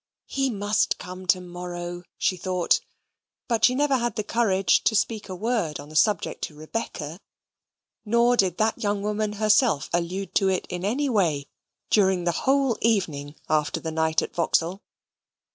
He must come to morrow, she thought, but she never had the courage to speak a word on the subject to Rebecca; nor did that young woman herself allude to it in any way during the whole evening after the night at Vauxhall.